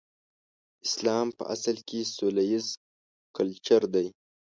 اسلام په اصل کې سوله ييز کلچر دی.